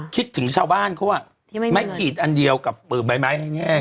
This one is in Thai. คิดถึงชาวบ้านเขาอ่ะไม่ขีดอันเดียวกับปืนใบไม้แห้ง